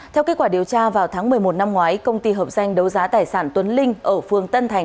theo kết quả điều tra vào tháng một mươi một năm ngoái công ty hợp danh đấu giá tài sản tuấn linh ở phường tân thành